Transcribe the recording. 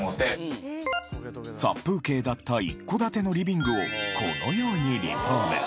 殺風景だった一戸建てのリビングをこのようにリフォーム。